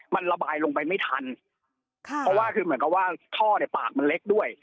มันระบายลงไปไม่ทันค่ะเพราะว่าคือเหมือนกับว่าท่อเนี่ยปากมันเล็กด้วย